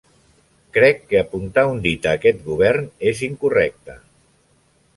Crec que apuntar un dit a aquest govern és incorrecte.